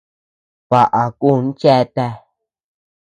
Baʼa kun cheatea.